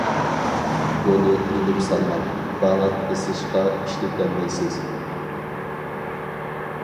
بۇنى ئېلىپ سالماڭ، باغاق بېسىشقا ئىشلىتەلمەيسىز.